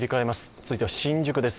続いては新宿です。